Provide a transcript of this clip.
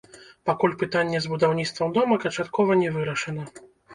Пакуль пытанне з будаўніцтвам дома канчаткова не вырашана.